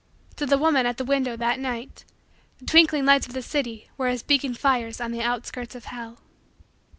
To the woman at the window, that night, the twinkling lights of the city were as beacon fires on the outskirts of hell.